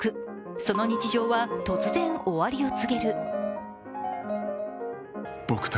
その日常は突然終わりを告げる。